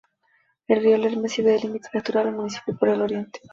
El río Lerma sirve de límite natural al municipio por el oriente.